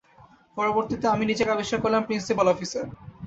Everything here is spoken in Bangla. পরবর্তীতে আমি নিজেকে আবিষ্কার করলাম প্রিন্সিপাল অফিসে।